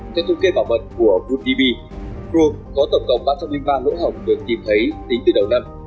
theo thông kê bỏ mật của vũtipi chrome có tổng cộng ba trăm ba mươi ba lỗi hỏng được tìm thấy tính từ đầu năm